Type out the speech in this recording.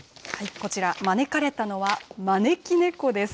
こちら、招かれたのは招き猫です。